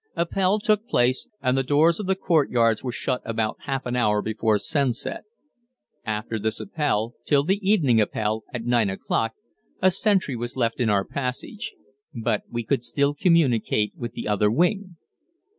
Appell took place and the doors of the courtyards were shut about half an hour before sunset. After this Appell, till the evening Appell at nine o'clock, a sentry was left in our passage; but we could still communicate with the other wing.